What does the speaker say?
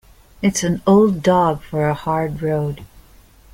It's an old dog for a hard road.